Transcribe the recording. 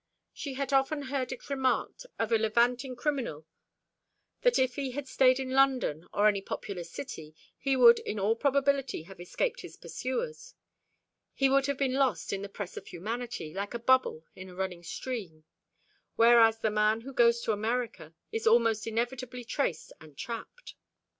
She had often heard it remarked of a levanting criminal that if he had stayed in London or any populous city, he would in all probability have escaped his pursuers; he would have been lost in the press of humanity, like a bubble in a running stream; whereas the man who goes to America is almost inevitably traced and trapped.